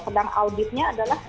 sedang auditnya adalah